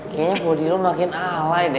kayaknya bodi lo makin alay deh